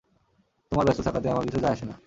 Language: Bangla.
তোমার ব্যস্ত থাকাতে আমার কিছু যায় আসে না।